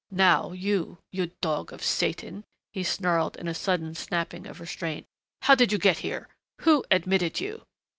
"Now, you you dog of Satan," he snarled in a sudden snapping of restraint, "how did you get here? Who admitted you?"